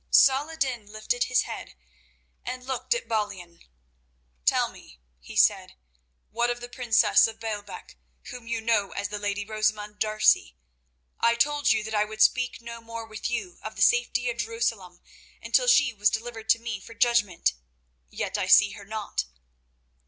Saladin lifted his head and looked at Balian. "Tell me," he said, "what of the princess of Baalbec, whom you know as the lady Rosamund D'Arcy? I told you that I would speak no more with you of the safety of Jerusalem until she was delivered to me for judgment. Yet I see her not."